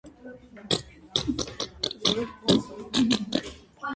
სადაზვერვო სააგენტოში სიდნის კურატორად უნიშნავენ მაიკლ ვონს.